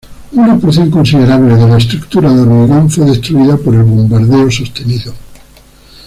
Una porción considerable de la estructura de hormigón fue destruida por el bombardeo sostenido.